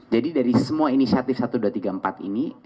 jadi dari semua inisiatif seribu dua ratus tiga puluh empat ini